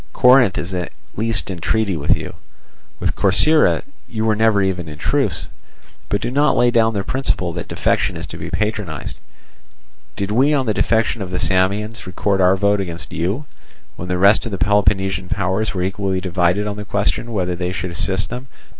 Corinth is at least in treaty with you; with Corcyra you were never even in truce. But do not lay down the principle that defection is to be patronized. Did we on the defection of the Samians record our vote against you, when the rest of the Peloponnesian powers were equally divided on the question whether they should assist them?